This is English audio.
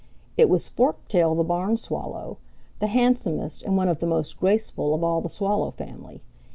It was Forktail the Barn Swallow, the handsomest and one of the most graceful of all the Swallow family.